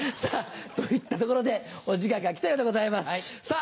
さぁといったところでお時間が来たようでございます。